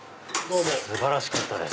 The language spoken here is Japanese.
素晴らしかったです。